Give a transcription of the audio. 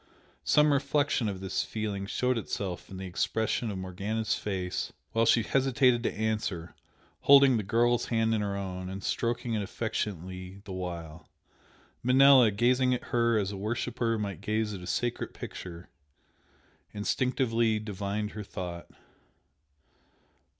Some reflection of this feeling showed itself in the expression of Morgana's face while she hesitated to answer, holding the girl's hand in her own and stroking it affectionately the while. Manella, gazing at her as a worshipper might gaze at a sacred picture, instinctively divined her thought.